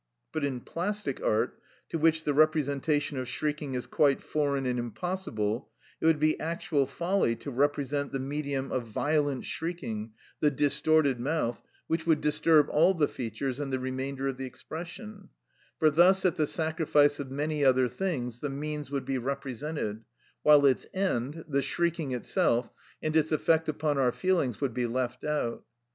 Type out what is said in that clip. But in plastic art, to which the representation of shrieking is quite foreign and impossible, it would be actual folly to represent the medium of violent shrieking, the distorted mouth, which would disturb all the features and the remainder of the expression; for thus at the sacrifice of many other things the means would be represented, while its end, the shrieking itself, and its effect upon our feelings, would be left out.